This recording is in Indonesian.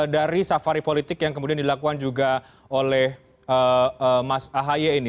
dari safari politik yang kemudian dilakukan juga oleh mas ahaye ini